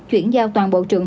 chuyển giao toàn bộ trường